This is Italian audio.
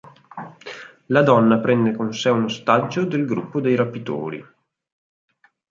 La donna prende con sé un ostaggio del gruppo dei rapitori...